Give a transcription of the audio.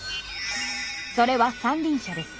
それは三輪車です。